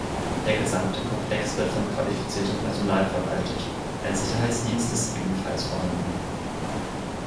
Der gesamte Komplex wird von qualifiziertem Personal verwaltet, ein Sicherheitsdienst ist ebenfalls vorhanden.